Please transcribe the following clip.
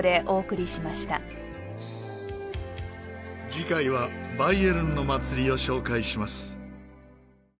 次回はバイエルンの祭りを紹介します。